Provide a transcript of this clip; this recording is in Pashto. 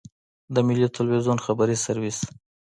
د ملي ټلویزیون خبري سرویس.